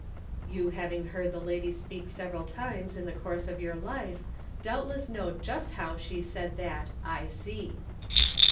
You having heard the lady speak several times in the course of your life, doubtless know just how she said that "I see."